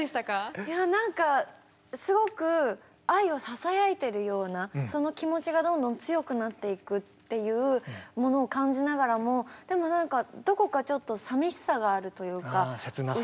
いやなんかすごく愛をささやいてるようなその気持ちがどんどん強くなっていくっていうものを感じながらもでもなんかあせつなさが。